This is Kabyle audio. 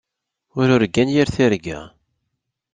Ur urgan yir tirga.